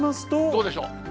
どうでしょう？